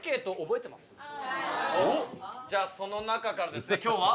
「じゃあその中からですね今日は」